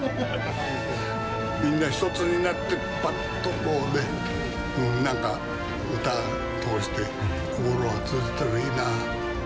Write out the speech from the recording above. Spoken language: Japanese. みんな一つになって、ばっとこうね、なんか、歌を通して、心が通じたらいいな。